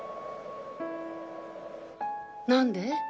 何で？